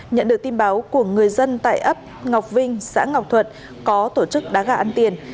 nhận được tin báo của người dân tại ấp ngọc vinh xã ngọc thuận có tổ chức đá gà ăn tiền